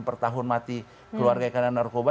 per tahun mati keluarga karena narkoba